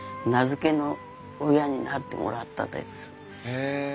へえ。